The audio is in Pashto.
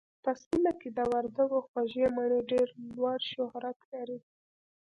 په سيمه کې د وردګو خوږې مڼې ډېر لوړ شهرت لري